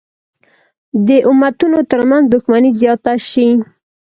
د امتونو تر منځ دښمني زیاته شي.